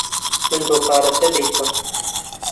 من بۆ پارەکە دەیکەم.